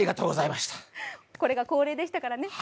これが恒例でしたからね。